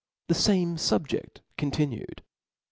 ^ he fame SubjeSl continued.